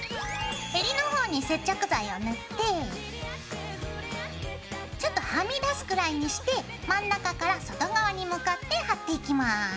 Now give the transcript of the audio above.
えりの方に接着剤を塗ってちょっとはみ出すくらいにして真ん中から外側に向かって貼っていきます。